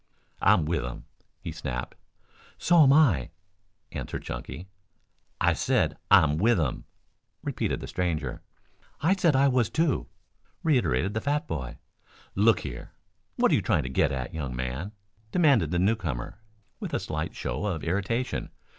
"I'm Withem," he snapped. "So am I," answered Chunky. "I said, 'I'm Withem,'" repeated the stranger. "I said I was too," reiterated the fat boy. "Look here, what are you trying to get at, young man?" demanded the newcomer with a slight show of irritation.